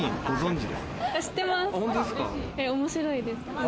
面白いです。